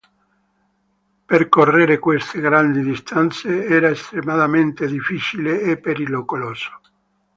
Percorrere queste grandi distanze era estremamente difficile e pericoloso.